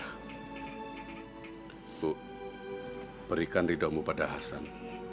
ibu berikan ridha mu pada hasan